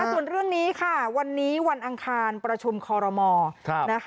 ส่วนเรื่องนี้ค่ะวันนี้วันอังคารประชุมคอรมอ